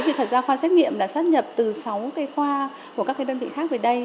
thì thật ra khoa xét nghiệm đã sắp nhập từ sáu cái khoa của các đơn vị khác về đây